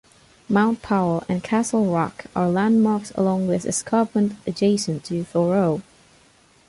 Mount Powell and Castle Rock are landmarks along this escarpment adjacent to Thoreau.